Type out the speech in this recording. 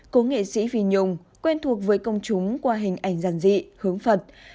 cô nghệ sĩ phi nhung quen thuộc với công chúng qua hình ảnh giản dị hướng phật